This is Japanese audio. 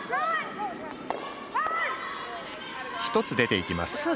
１つ出ていきます。